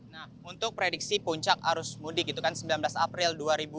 nah untuk prediksi puncak arus mudik gitu kan sembilan belas april dua ribu dua puluh